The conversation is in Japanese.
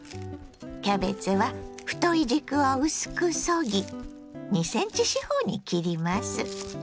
キャベツは太い軸を薄くそぎ２ｃｍ四方に切ります。